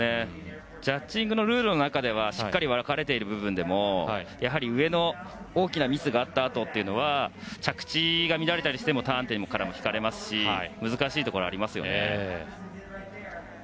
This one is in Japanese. ジャッジングのルールの中ではしっかり分かれている部分でも上の大きなミスがあったあとは着地が乱れたりしてもターン点から引かれますし難しいところはありますよね。